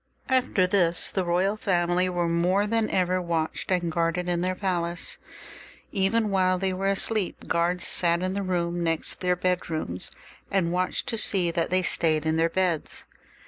After this the royal family were more than ever watched and guarded in their palace. Even while they were asleep, guards sat in the rooms next their bedrooms, and watched to see that they stayed in their beds.